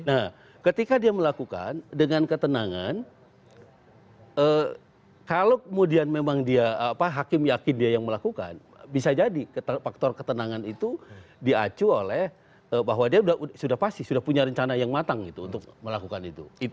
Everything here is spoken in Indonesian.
nah ketika dia melakukan dengan ketenangan kalau kemudian memang dia hakim yakin dia yang melakukan bisa jadi faktor ketenangan itu diacu oleh bahwa dia sudah pasti sudah punya rencana yang matang gitu untuk melakukan itu